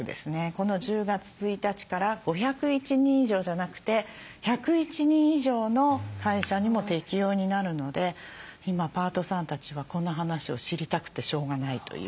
この１０月１日から５０１人以上じゃなくて１０１人以上の会社にも適用になるので今パートさんたちはこの話を知りたくてしょうがないという。